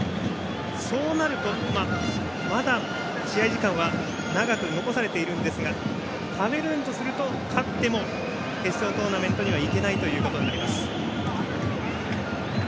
そうなると、まだ試合時間は長く残されているんですがカメルーンとすると勝っても決勝トーナメントには行けないということになります。